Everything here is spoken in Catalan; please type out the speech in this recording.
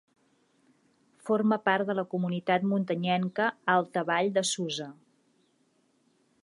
Forma part de la Comunitat Muntanyenca Alta Vall de Susa.